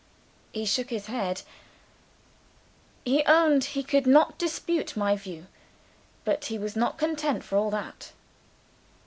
He shook his head; he owned he could not dispute my view. But he was not content for all that.